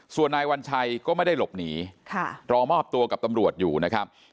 ส่วนนายวัญชัยก็ไม่ได้หลบหนีรอมอบตัวกับตำรวจอยู่นะครับ